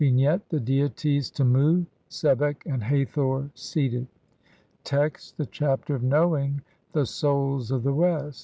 ] Vignette : The deities Tmu, Sebek and Hathor seated. Text : (1) The Chapter of knowing (2) the Souls of THE WEST.